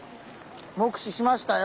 目視しましたよ。